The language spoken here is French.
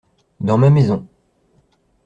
Dans ma maison.